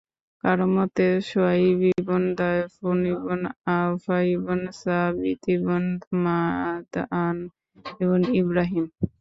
কারও মতে, শুআয়ব ইবন দায়ফূর ইবন আয়ফা ইবন ছাবিত ইবন মাদয়ান ইবন ইবরাহীম।